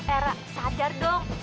era sadar dong